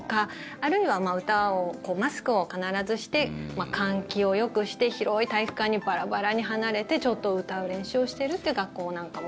あるいは歌を、マスクを必ずして換気をよくして広い体育館にバラバラに離れてちょっと歌う練習をしているという学校なんかも。